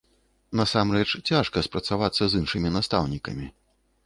Насамрэч, цяжка спрацавацца з іншымі настаўнікамі.